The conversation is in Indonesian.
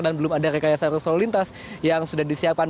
dan belum ada rekayasa arus solintas yang sudah disiapkan